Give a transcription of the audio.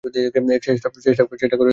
চেষ্টা করেই দেখ একবার!